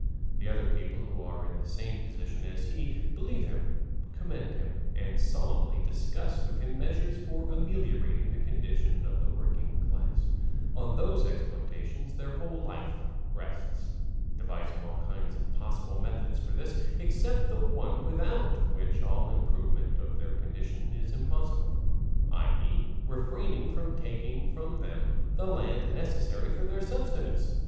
And other people who are in the same position as he believe him, commend him, and solemnly discuss with him measures for ameliorating the condition of the working class, on whose exploitation their whole life rests, devising all kinds of possible methods for this, except the one without which all improvement of their condition is impossible, i. e., refraining from taking from them the land necessary for their subsistence.